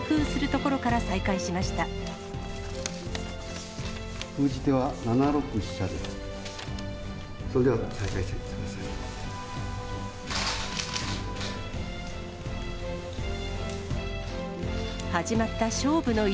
それでは再開してください。